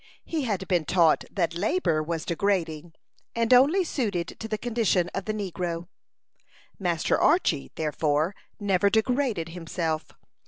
He had been taught that labor was degrading, and only suited to the condition of the negro. Master Archy, therefore, never degraded himself.